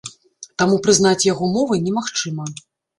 Таму прызнаць яго мовай немагчыма.